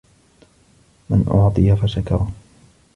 مَنْ أُعْطِيَ فَشَكَرَ